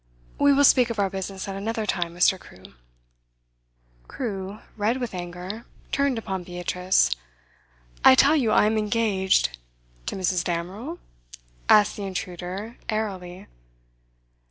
'We will speak of our business at another time, Mr. Crewe.' Crewe, red with anger, turned upon Beatrice. 'I tell you I am engaged ' 'To Mrs. Damerel?' asked the intruder airily.